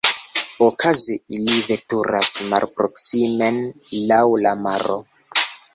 Okaze ili veturas malproksimen laŭ la maro.